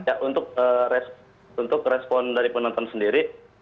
ya untuk respon dari penonton sendiri